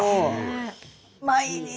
毎日！